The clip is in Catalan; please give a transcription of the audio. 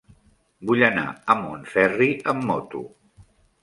Vull anar a Montferri amb moto.